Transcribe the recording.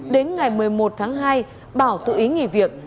đến ngày một mươi một tháng hai bảo tự ý nghỉ việc